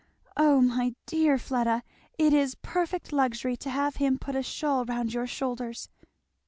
Oh my dear Fleda! it is perfect luxury to have him put a shawl round your shoulders!